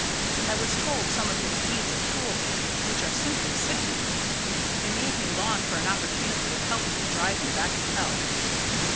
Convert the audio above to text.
I was told some of his deeds of cruelty, which are simply sickening. They made me long for an opportunity of helping to drive him back to hell.